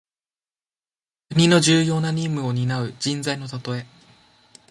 国の重要な任務をになう人材のたとえ。